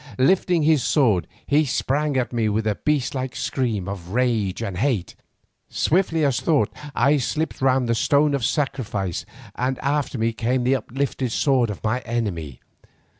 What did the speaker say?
Lifting his sword, he sprang at me with a beastlike scream of rage and hate. Swiftly as thought I slipped round the stone of sacrifice and after me came the uplifted sword of my enemy.